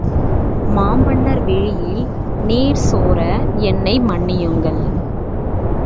மாமன்னர் விழியில் நீர் சோர, என்னை மன்னியுங்கள்.